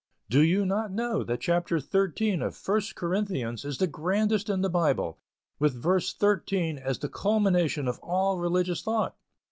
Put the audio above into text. "Do you not know that chapter thirteen of First Corinthians is the grandest in the Bible, with verse thirteen as the culmination of all religious thought?